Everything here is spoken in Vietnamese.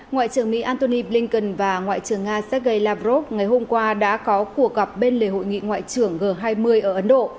ngoại trưởng mỹ antony blinken và ngoại trưởng nga sergei lavrov ngày hôm qua đã có cuộc gặp bên lề hội nghị ngoại trưởng g hai mươi ở ấn độ